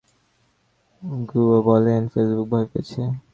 গুয়ো বলেন, ফেসবুক ভয় পেয়েছে।